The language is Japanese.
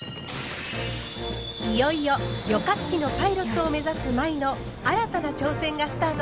いよいよ旅客機のパイロットを目指す舞の新たな挑戦がスタートします。